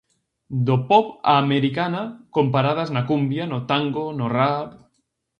Do pop á americana con paradas na cumbia, no tango, no rap...